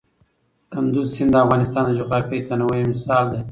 کندز سیند د افغانستان د جغرافیوي تنوع یو مثال دی.